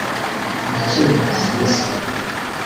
ndacyibuka uwo munsi